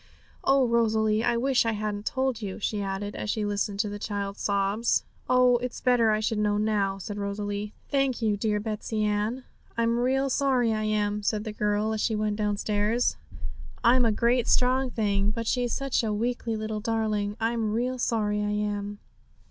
'Oh, Rosalie, I wish I hadn't told you!' she added, as she listened to the child's sobs. 'Oh, it's better I should know,' said Rosalie; 'thank you, dear Betsey Ann.' 'I'm real sorry, I am!' said the girl, as she went downstairs. 'I'm a great strong thing, but she's such a weakly little darling. I'm real sorry, I am!'